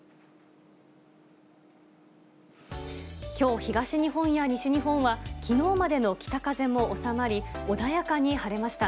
きょう、東日本や西日本は、きのうまでの北風も収まり、穏やかに晴れました。